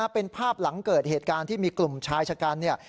เป็นภาพหลังเกิดเหตุการณ์ที่มีกลุ่มชายชะกันเนี่ย